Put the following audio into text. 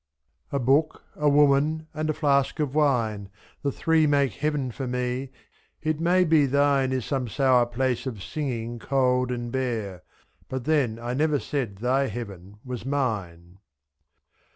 A book, a woman, and a flask of wine : The three make heaven for me ; it may be thine 3^.Is some sour place of singing cold and bare — But then, I never said thy heaven was mine.